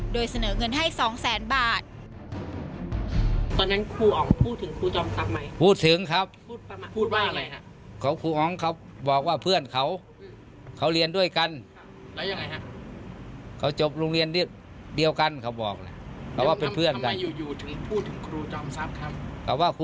โดยเสนอเงินให้๒แสนบาท